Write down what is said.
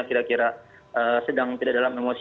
kira kira sedang tidak dalam emosi